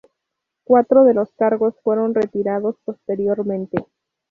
Cuatro de los cargos fueron retirados posteriormente.